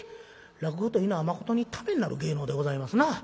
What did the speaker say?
落語というのは誠にためになる芸能でございますな。